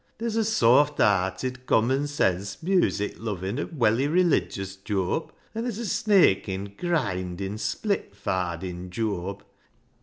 Ther's a sawft herted, common sense, music luvin' and welly religious Jooab, an' ther's a snakin', grindin', splitfardin' Jooab.